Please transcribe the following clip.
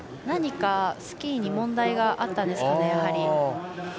何かスキーに問題があったんですかね。